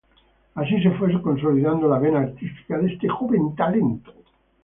Así se fue consolidando la vena artística de este joven talento.